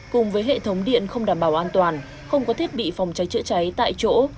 cùng với hệ thống điện không đảm bảo an toàn không có thiết bị phòng cháy chữa cháy tại chỗ